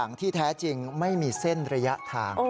ที่แท้จริงไม่มีเส้นระยะทาง